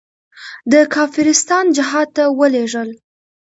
د کافرستان جهاد ته ولېږل.